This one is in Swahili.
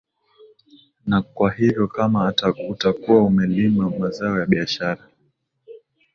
na kwa hivyo kama utakuwa umelima mazao ya biashara